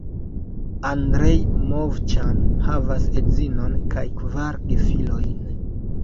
Andrej Movĉan havas edzinon kaj kvar gefilojn.